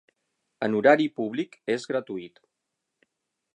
En horari públic és gratuït.